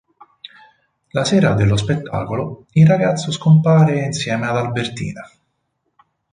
La sera dello spettacolo il ragazzo scompare insieme ad Albertina.